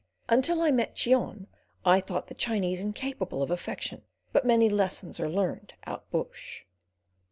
Until I met Cheon I thought the Chinese incapable of affection; but many lessons are learned out bush.